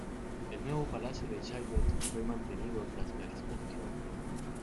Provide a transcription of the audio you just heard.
El nuevo Palacio de Chaillot fue mantenido tras la exposición.